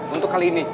untuk kali ini